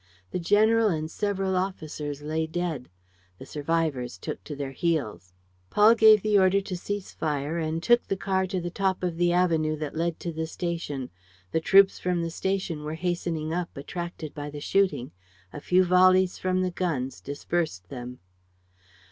The general and several officers lay dead. The survivors took to their heels. Paul gave the order to cease fire and took the car to the top of the avenue that led to the station. The troops from the station were hastening up, attracted by the shooting. A few volleys from the guns dispersed them.